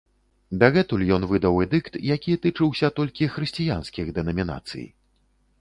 Дагэтуль ён выдаў эдыкт, які тычыўся толькі хрысціянскіх дэнамінацый.